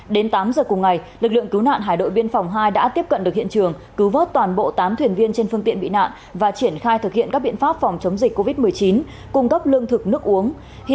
đến tám giờ cùng ngày lực lượng cứu nạn hải đội biên phòng hai đã tiếp cận được hiện trường cứu vớt toàn bộ tám thuyền viên trên phương tiện bị nạn và triển khai thực hiện các biện pháp phòng chống dịch covid một mươi chín cung cấp lương thực nước uống